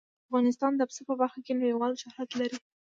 افغانستان د پسه په برخه کې نړیوال شهرت لري.